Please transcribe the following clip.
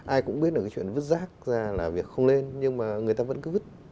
ai cũng biết được cái chuyện vứt rác ra là việc không lên nhưng mà người ta vẫn cứ vứt